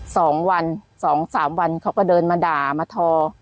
สองวันสองสามวันเขาก็เดินมาด่ามาทอ